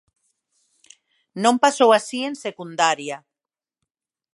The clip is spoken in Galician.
Non pasou así en secundaria.